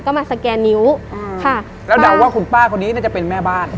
ก็มาสแกนนิ้วอ่าค่ะแล้วเดาว่าคุณป้าคนนี้น่าจะเป็นแม่บ้าน